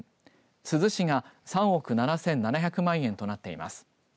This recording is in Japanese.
珠洲市が３億７７００万円となっています。